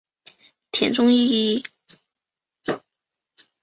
田中义一。